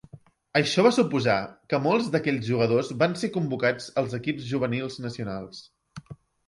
Això va suposar que molts d’aquells jugadors van ser convocats als equips juvenils nacionals.